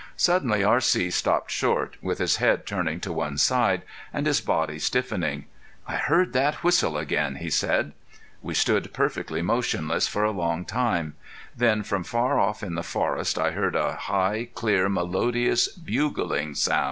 Suddenly R.C. stopped short, with his head turning to one side, and his body stiffening. "I heard that whistle again," he said. We stood perfectly motionless for a long moment. Then from far off in the forest I heard a high, clear, melodious, bugling note.